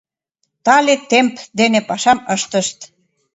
— Тале темп дене пашам ыштышт.